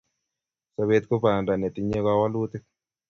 Sopet ko panda netinyei kawelutik